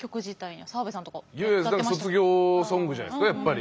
卒業ソングじゃないですかやっぱり。